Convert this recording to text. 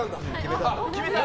決めた。